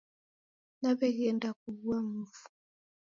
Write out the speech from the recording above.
Naw'eghenda kughua mufu.